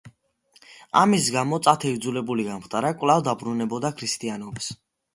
ამის გამო, წათე იძულებული გამხდარა კვლავ დაბრუნებოდა ქრისტიანობას.